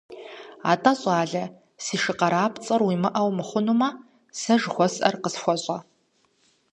АтӀэ, щӀалэ, си шы къарапцӀэр уимыӀэу мыхъунумэ, сэ жыхуэсӀэр къысхуэщӀэ.